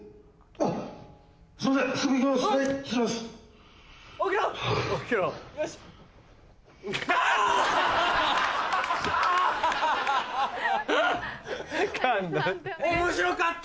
あぁ！面白かった！